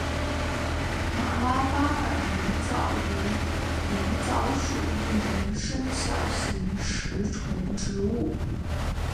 马拉巴尔狸藻为狸藻属一年生小型食虫植物。